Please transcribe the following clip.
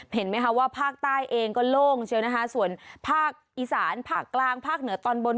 เห็นไหมคะว่าภาคใต้เองก็โล่งเชียวนะคะส่วนภาคอีสานภาคกลางภาคเหนือตอนบน